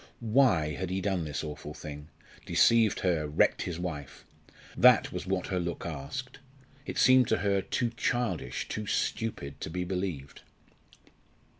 Why had he done this awful thing? deceived her wrecked his wife? that was what her look asked. It seemed to her too childish too stupid to be believed.